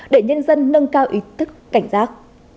để nhân dân nâng cao ý thức cảnh giác